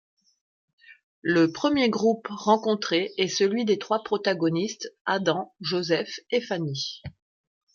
Le premier groupe rencontré est celui des trois protagonistes, Adams, Joseph et Fanny.